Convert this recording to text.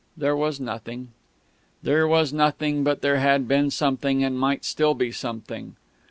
There was nothing. There was nothing; but there had been something, and might still be something.